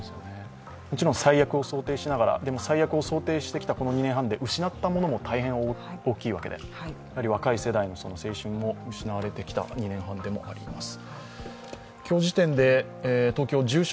もちろん最悪を想定しながら、でも最悪を想定してきたこの２年半で失ったものも大変大きいわけで若い世代の青春も失われてきた２年半でもあります。